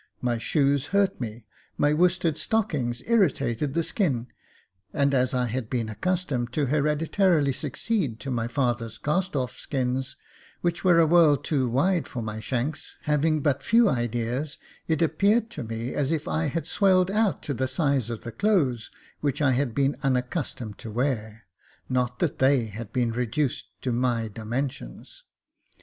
My shoes hurt me, my worsted stockings irritated the skin ; and as I had been accustomed to hereditarily succeed to my father's cast ofF skins, which were a world too wide for my shanks, having but few ideas, it appeared to me as if I had swelled out to J.F. B 18 Jacob Faithful the size of the clothes which I had been unaccustomed to ■wear, not that they had been reduced to my dimensions.